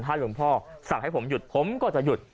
หลวงพ่อสั่งให้ผมหยุดผมก็จะหยุด